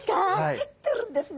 入ってるんですね。